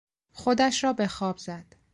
خودش را به خواب زد.